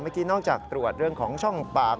เมื่อกี้นอกจากตรวจเรื่องของช่องปาก